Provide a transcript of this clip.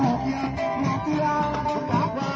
สวัสดีครับทุกคน